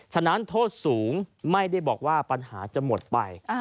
นั้นโทษสูงไม่ได้บอกว่าปัญหาจะหมดไป